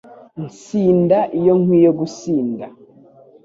Nsinda iyo nkwiye gusinda